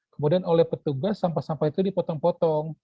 kemudian oleh petugas sampah sampah itu dipotong potong